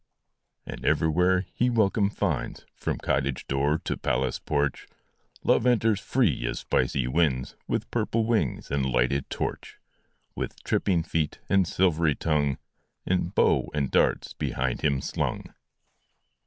And everywhere he welcome finds, From cottage door to palace porch Love enters free as spicy winds, With purple wings and lighted torch, With tripping feet and silvery tongue, And bow and darts behind him slung.